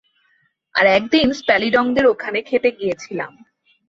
আর একদিন স্প্যাল্ডিংদের ওখানে খেতে গিয়েছিলাম।